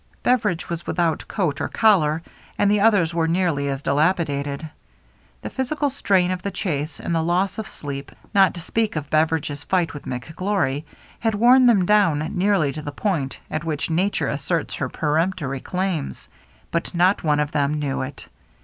Beveridge was without coat or collar, and the others were nearly as dilapidated. The physi cal strain of the chase, and the loss of sleep, not to speak of Beveridge's fight with McGlory, had worn them down nearly to the point at which nature asserts her peremptory claims, — but not one of them knew it.